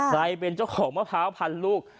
ใครเป็นเจ้าของมะพร้าวพันลูก